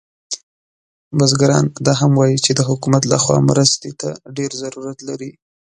بزګران دا هم وایي چې د حکومت له خوا مرستې ته ډیر ضرورت لري